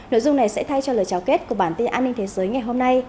nội dung này sẽ thay cho lời trao kết của bản tin an ninh thế giới ngày hôm nay